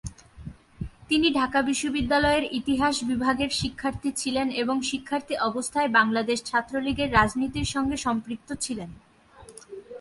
তিনি ঢাকা বিশ্ববিদ্যালয়ের ইতিহাস বিভাগের শিক্ষার্থী ছিলেন এবং শিক্ষার্থী অবস্থায় বাংলাদেশ ছাত্রলীগের রাজনীতির সাথে সম্পৃক্ত ছিলেন।